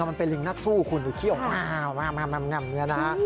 มันเป็นลิงนักสู้คุณดูเขี้ยวง่ำเนื้อนะ